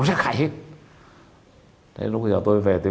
nhưng khi đường xe cớng bổ đẹp cũng tối toàn